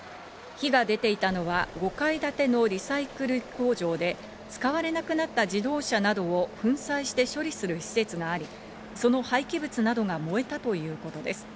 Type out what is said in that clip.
火が出ていたのは５階建てのリサイクル工場で、使われなくなった自動車などを粉砕して処理する施設があり、その廃棄物などが燃えたということです。